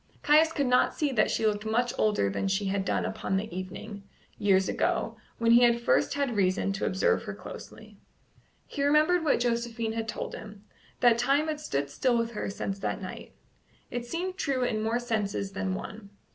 Caius could not see that she looked much older than she had done upon the evening, years ago, when he had first had reason to observe her closely. He remembered what Josephine had told him that time had stood still with her since that night: it seemed true in more senses than one.